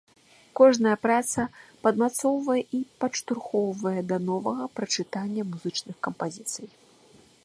Кожная праца падмацоўвае і падштурхоўвае да новага прачытання музычных кампазіцый.